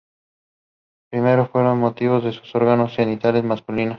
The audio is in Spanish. Primero fueron removidos sus órganos genitales masculinos.